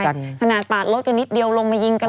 ฐจริงเมืองไทยถนัดตากรถกันนิดเดียวลงมายิงกันเลย